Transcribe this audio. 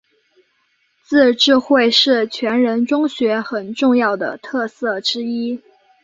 自治会是全人中学很重要的特色之一。